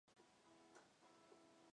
以货到付款方式